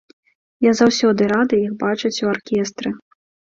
Я заўсёды рады іх бачыць у аркестры.